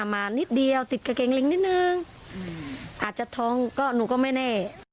มานิดเดียวติดกางเกงลิงนิดนึงอาจจะท้องก็หนูก็ไม่แน่